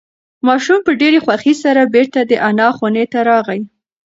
ماشوم په ډېرې خوښۍ سره بیرته د انا خونې ته راغی.